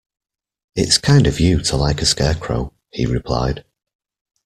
"It is kind of you to like a Scarecrow," he replied.